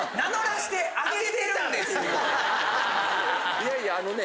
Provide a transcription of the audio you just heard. いやいやあのね